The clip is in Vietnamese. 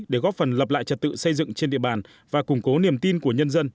để góp phần lập lại trật tự xây dựng trên địa bàn và củng cố niềm tin của nhân dân